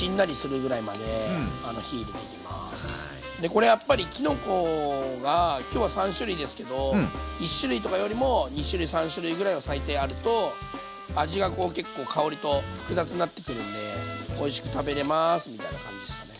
これやっぱりきのこが今日は３種類ですけど１種類とかよりも２種類３種類ぐらいは最低あると味が結構香りと複雑なってくるんでおいしく食べれますみたいな感じですかね。